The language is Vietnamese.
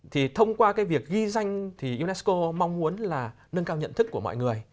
thì thông qua cái việc ghi danh thì unesco mong muốn là nâng cao nhận thức của mọi người